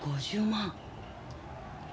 ５０万！